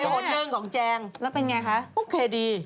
ไอ้โฮนเนิ่งของแจงแล้วเป็นอย่างไรคะโอเคดี